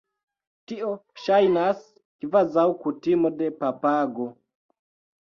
Tio ŝajnas kvazaŭ kutimo de papago.